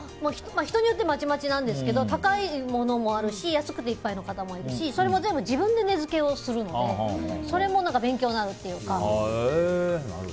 人によってまちまちなんですけど高いものもあるし安くていっぱいの方もいるしそれも全部自分で値付けをするのでそれも勉強になるっていうか。